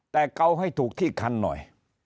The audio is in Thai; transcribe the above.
แต่เกาให้ถูกที่คันหน่อย